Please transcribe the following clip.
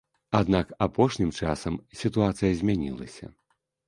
Аднак апошнім часам сітуацыя змянілася.